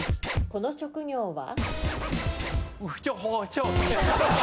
この職業は？